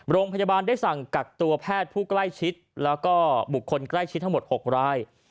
โรงพยาบาลได้สั่งกักตัวแพทย์ผู้ใกล้ชิดแล้วก็บุคคลใกล้ชิดทั้งหมด๖ราย